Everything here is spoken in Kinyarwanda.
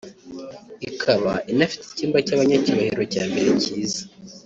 ikaba inafite icyumba cy’abanyacyubahiro cya mbere cyiza